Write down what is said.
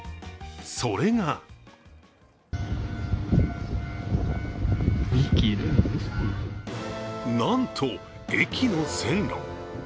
それがなんと、駅の線路。